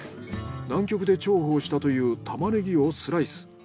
南極で重宝したというタマネギをスライス。